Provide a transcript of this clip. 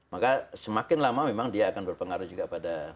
maka semakin lama memang dia akan berpengaruh juga pada